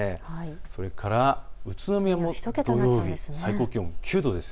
それから、宇都宮も土曜日、最高気温９度です。